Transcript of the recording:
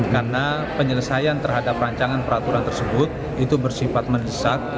karena penyelesaian terhadap rancangan peraturan tersebut itu bersifat mendesak